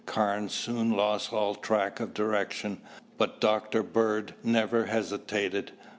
Carnes soon lost all track of direction, but Dr. Bird never hesitated.